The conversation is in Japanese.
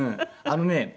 あのね